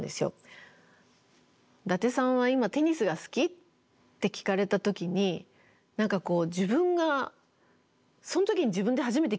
「伊達さんは今テニスが好き？」って聞かれた時に何かこう自分がその時に自分で初めて気付いたんですよね。